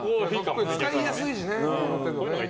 使いやすいしね。